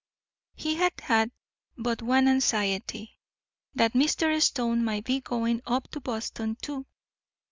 He had had but one anxiety that Mr. Stone might be going up to Boston too.